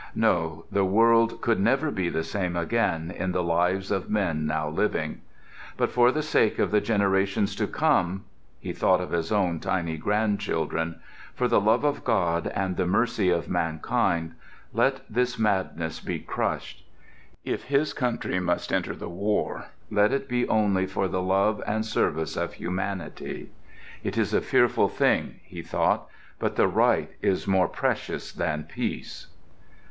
No, the world could never be the same again in the lives of men now living. But for the sake of the generations to come—he thought of his own tiny grandchildren—for the love of God and the mercy of mankind, let this madness be crushed. If his country must enter the war let it be only for the love and service of humanity. "It is a fearful thing," he thought, "but the right is more precious than peace."